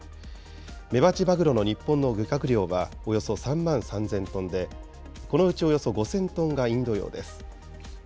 メバチマグロの日本の漁獲量はおよそ３万３０００トンで、このうちおよそ５０００トンがインド洋です。